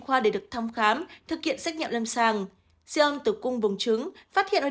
khoa để được thăm khám thực hiện xét nghiệm lâm sàng xe ôm tử cung vùng trứng phát hiện hoặc